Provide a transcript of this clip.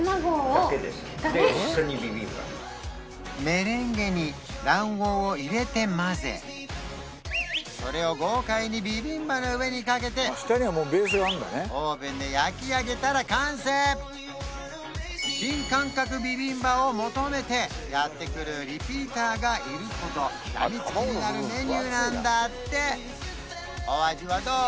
メレンゲに卵黄を入れて混ぜそれを豪快にビビンバの上にかけて新感覚ビビンバを求めてやって来るリピーターがいるほどやみつきになるメニューなんだってお味はどう？